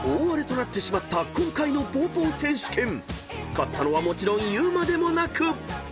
［勝ったのはもちろん言うまでもなく］